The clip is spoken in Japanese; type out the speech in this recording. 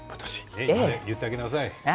言ってあげなさい。